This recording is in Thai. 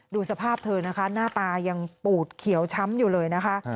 ดูสภาพเธอนะคะหน้าตายังปูดเขียวช้ำอยู่เลยนะคะ